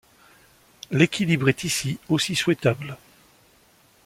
L'équilibre est ici aussi souhaitable.